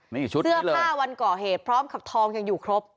นี่ชุดเสื้อผ้าวันก่อเหตุพร้อมกับทองยังอยู่ครบ